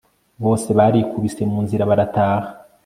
bose barikubise, munzira, barataha